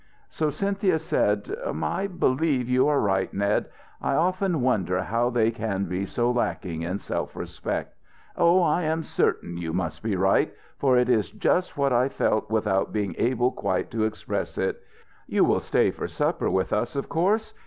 So Cynthia said: "I believe you are right, Ned. I often wonder how they can be so lacking in self respect. Oh, I am certain you must be right, for it is just what I felt without being able quite to express it You will stay for supper with us, of course.